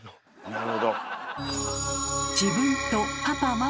なるほど。